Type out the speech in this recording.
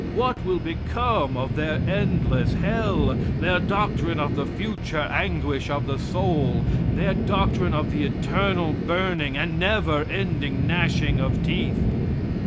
What will become of their endless hell their doctrine of the future anguish of the soul; their doctrine of the eternal burning and never ending gnashing of teeth.